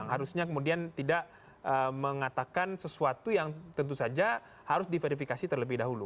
harusnya kemudian tidak mengatakan sesuatu yang tentu saja harus diverifikasi terlebih dahulu